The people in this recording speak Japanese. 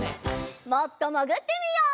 もっともぐってみよう。